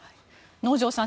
能條さん